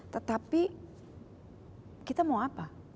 tetapi kita mau apa